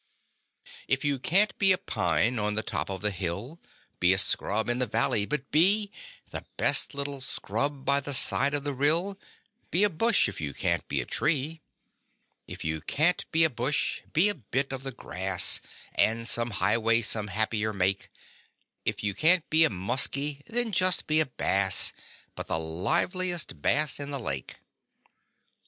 If you can't be a pine on the top of the hill Be a scrub in the valley but be The best little scrub by the side of the rill; Be a bush if you can't be a tree. If you can't be a bush be a bit of the grass, And some highway some happier make; If you can't be a muskie then just be a bass But the liveliest bass in the lake!